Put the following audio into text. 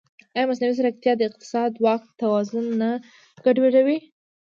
ایا مصنوعي ځیرکتیا د اقتصادي واک توازن نه ګډوډوي؟